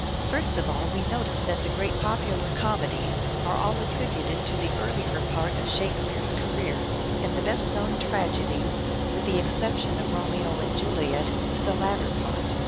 First of all, we notice that the great popular comedies are all attributed to the earlier part of Shakespeare's career, and the best known tragedies, with the exception of " Romeo and Juliet," to the later part.